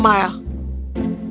ibu mengingatkan kemampuan tersebut